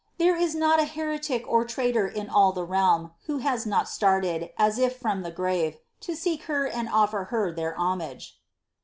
^^ there is not a heretic or traitor in all the realm who has not started, as if from the grave, to seek her and ofler her their homage."